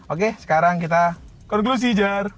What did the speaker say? oke sekarang kita konglusi jar